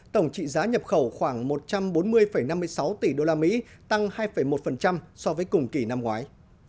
tổng trị giá nhập khẩu khoảng một trăm bốn mươi năm mươi sáu tỷ usd tăng hai một so với cùng kỳ năm ngoái